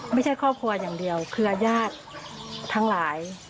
ไม่ใช่ครอบครัวอย่างเดียวเครือญาติทั้งหลาย